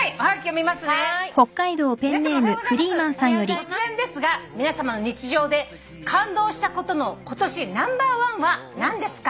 突然ですが皆さまの日常で感動したことの今年ナンバーワンは何ですか」